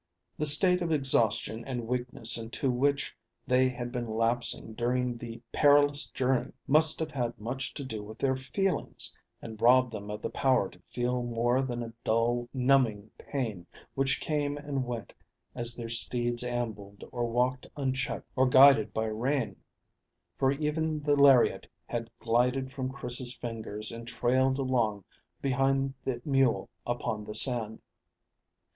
The state of exhaustion and weakness into which they had been lapsing during the perilous journey must have had much to do with their feelings, and robbed them of the power to feel more than a dull, numbing pain which came and went as their steeds ambled or walked unchecked or guided by rein, for even the lariat had glided from Chris's fingers and trailed along behind the mule upon the sand.